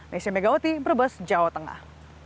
nesya megawati brebes jawa tengah